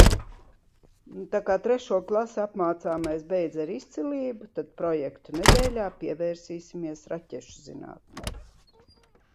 Tā kā trešo klasi apmācāmais beidza ar izcilību, tad projektu nedēļā pievērsīsimies raķešu zinātnei.